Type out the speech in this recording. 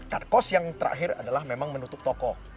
card cost yang terakhir adalah memang menutup toko